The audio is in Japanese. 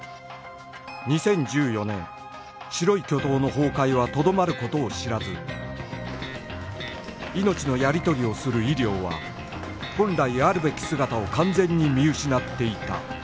２０１４年白い巨塔の崩壊はとどまる事を知らず命のやり取りをする医療は本来あるべき姿を完全に見失っていた